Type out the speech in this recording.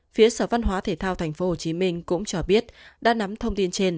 phía sở văn hóa thể thao tp hcm cũng cho biết đã nắm thông tin trên